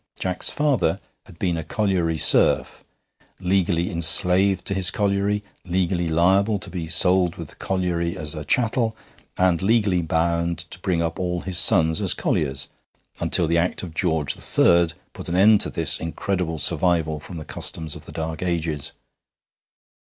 Jack's father had been a colliery serf, legally enslaved to his colliery, legally liable to be sold with the colliery as a chattel, and legally bound to bring up all his sons as colliers, until the Act of George III. put an end to this incredible survival from the customs of the Dark Ages.